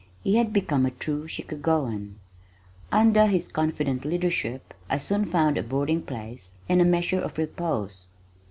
He had become a true Chicagoan. Under his confident leadership I soon found a boarding place and a measure of repose.